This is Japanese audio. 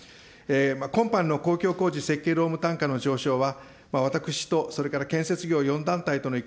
今般の公共工事設計労務単価の上昇は、私とそれから建設業４団体との意見